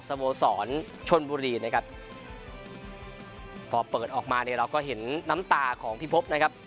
โมสรชนบุรีนะครับพอเปิดออกมาเนี่ยเราก็เห็นน้ำตาของพี่พบนะครับ